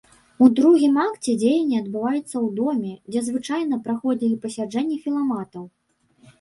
У другім акце дзеянне адбываецца ў доме, дзе звычайна праходзілі пасяджэнні філаматаў.